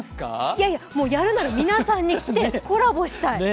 いやいや、やるなら皆さんに来て、コラボしたい。